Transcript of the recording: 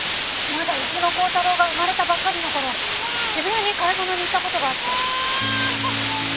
まだうちの高太郎が生まれたばっかりの頃渋谷に買い物に行った事があって。